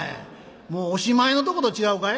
もうおしまいのとこと違うかい」。